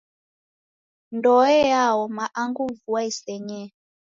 Ndoe yaoma angu vua isenyee.